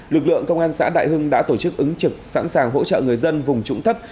lực lượng công an xã đại hưng đã tổ chức ứng trực sẵn sàng hỗ trợ người dân vùng trũng thấp